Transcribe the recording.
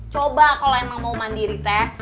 coba kalau emang mau mandiri teh